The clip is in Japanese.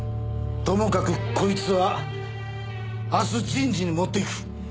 ともかくこいつは明日人事に持っていく。